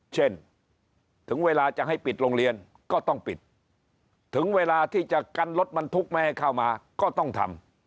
ถึงถึงเวลาจะให้ปิดโรงเรียนก็ต้องปิดถึงเวลาที่จะกันรถบรรทุกไม่ให้เข้ามาก็ต้องทำ